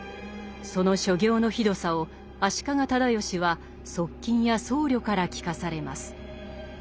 その所業のひどさを足利直義は側近や僧侶から聞かされます。